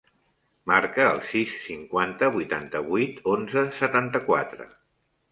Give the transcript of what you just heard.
Marca el sis, cinquanta, vuitanta-vuit, onze, setanta-quatre.